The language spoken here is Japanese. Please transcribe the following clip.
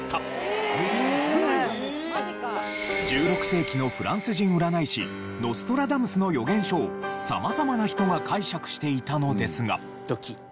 １６世紀のフランス人占い師ノストラダムスの予言書を様々な人が解釈していたのですが。